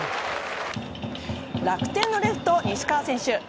楽天のレフト、西川選手。